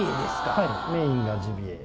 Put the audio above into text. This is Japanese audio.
はいメインがジビエ。